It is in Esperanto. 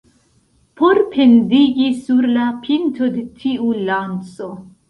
Por pendigi sur la pinto de tiu lanco.